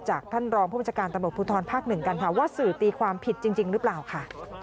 ท่านรองผู้บัญชาการตำรวจภูทรภาคหนึ่งกันค่ะว่าสื่อตีความผิดจริงหรือเปล่าค่ะ